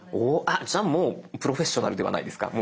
じゃあもうプロフェッショナルではないですか。